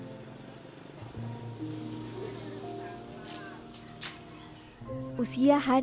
hai usia hani istighfaroh baru menginjak tiga tahun